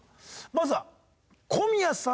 まずは小宮さんの。